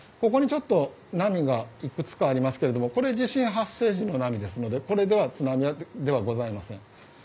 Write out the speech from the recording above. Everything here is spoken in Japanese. ここに波がいくつかありますがこれは地震発生時の波ですのでこれは津波ではございません。